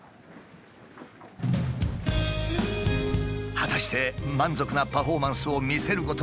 果たして満足なパフォーマンスを見せることはできるのか？